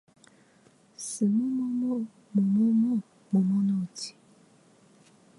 すもももももものもものうち